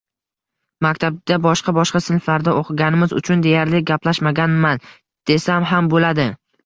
Maktabda boshqa-boshqa sinflarda o`qiganimiz uchun deyarli gaplashmaganman, desam ham bo`ladi